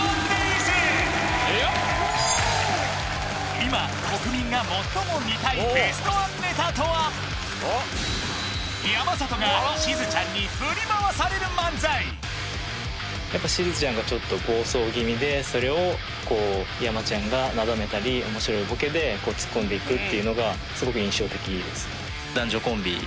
今国民が最も見たいベストワンネタとはしずちゃんがちょっと暴走気味でそれを山ちゃんがなだめたり面白いボケでツッコんでいくっていうのがすごく印象的です